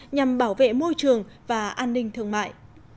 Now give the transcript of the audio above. nhằm bảo vệ môi trường và an ninh thương mại